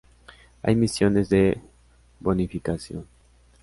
Hay misiones de bonificación.